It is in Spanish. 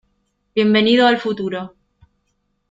bienvenido al futuro.